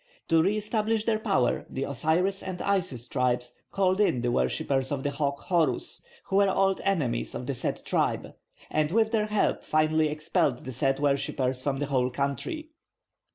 To re establish their power, the Osiris and Isis tribes called in the worshippers of the hawk Horus, who were old enemies of the Set tribe, and with their help finally expelled the Set worshippers from the whole country.